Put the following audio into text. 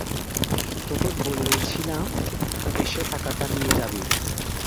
তোকে বলেছিলাম এসে টাকাটা নিয়ে যাবি।